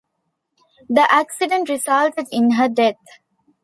The accident resulted in her death.